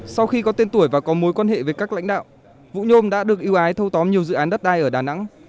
sau khi có tên tuổi và có mối quan hệ với các lãnh đạo vũ nhôm đã được yêu ái thâu tóm nhiều dự án đất đai ở đà nẵng